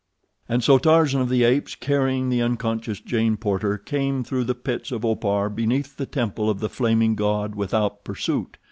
And so Tarzan of the Apes, carrying the unconscious Jane Porter, came through the pits of Opar beneath the temple of The Flaming God without pursuit.